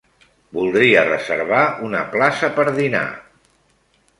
Voldria reservar una plaça per dinar.